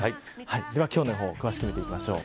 では今日の予報詳しく見ていきましょう。